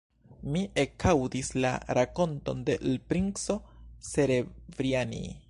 Mi ekaŭdis la rakonton de l' princo Serebrjanij.